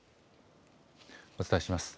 お伝えします。